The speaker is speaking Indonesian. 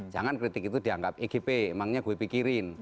jangan kritik itu dianggap egp emangnya gue pikirin